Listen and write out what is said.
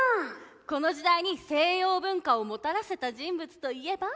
この時代に西洋文化をもたらせた人物といえば。